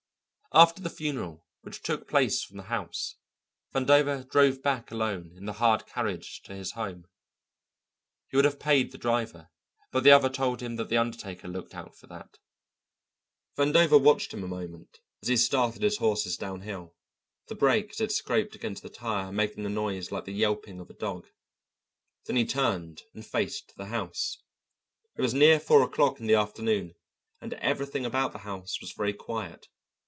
After the funeral, which took place from the house, Vandover drove back alone in the hired carriage to his home. He would have paid the driver, but the other told him that the undertaker looked out for that. Vandover watched him a moment as he started his horses downhill, the brake as it scraped against the tire making a noise like the yelping of a dog. Then he turned and faced the house. It was near four o'clock in the afternoon, and everything about the house was very quiet.